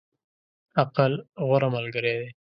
عقل، غوره ملګری دی.